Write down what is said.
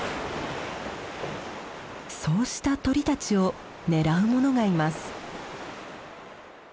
そうした鳥たちを狙うものがいます。